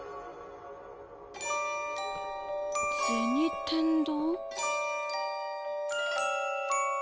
銭天堂？